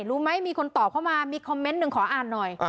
รู้ไหมมีคนตอบเข้ามามีคอมเมนต์หนึ่งขออ่านหน่อย